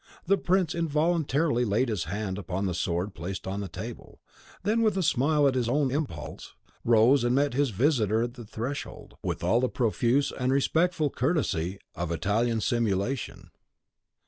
The prince involuntarily laid his hand upon the sword placed on the table, then with a smile at his own impulse, rose, and met his visitor at the threshold, with all the profuse and respectful courtesy of Italian simulation.